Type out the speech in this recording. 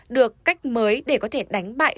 được cách mới để có thể đánh bại